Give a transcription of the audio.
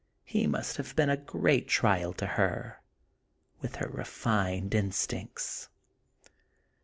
He must have been a great trial to her, with her refined instincts.